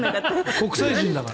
国際人だから。